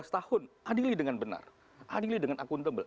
lima belas tahun adili dengan benar adili dengan akuntabel